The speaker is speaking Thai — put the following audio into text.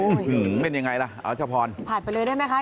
อู้หึเป็นอย่างไรล่ะเอาเจ้าพรผ่านไปเลยได้ไหมคะ